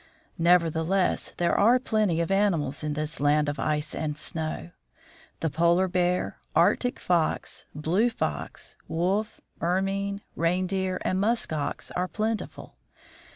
Nevertheless there are plenty of animals in this land of ice and snow. The polar bear, Arctic fox, blue fox, wolf, ermine, reindeer, and musk ox are plentiful.